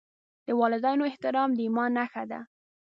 د والدینو احترام د ایمان نښه ده.